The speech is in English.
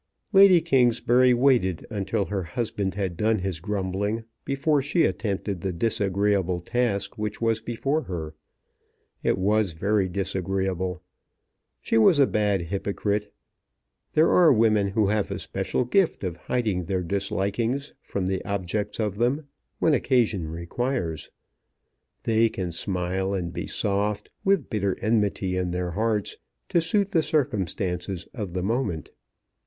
Lady Kingsbury waited until her husband had done his grumbling before she attempted the disagreeable task which was before her. It was very disagreeable. She was a bad hypocrite. There are women who have a special gift of hiding their dislikings from the objects of them, when occasion requires. They can smile and be soft, with bitter enmity in their hearts, to suit the circumstances of the moment.